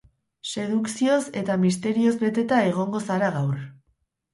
Sedukzioz eta misterioz beteta egongo zara gaur.